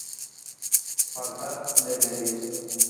Faltat de medis.